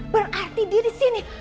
berarti dia di sini